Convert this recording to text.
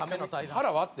腹割って？